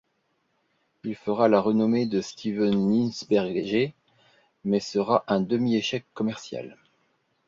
Il fera la renommée de Steven Lisberger mais sera un demi-échec commercial.